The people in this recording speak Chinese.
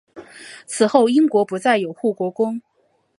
此后英国不再有护国公。